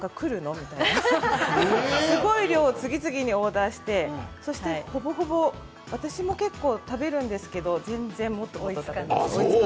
みたいなすごい量を次々にオーダーしてそしてほぼほぼ、私も結構食べるんですけど、全然追いつかない。